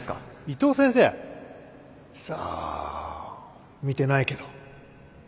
さあ見てないけど。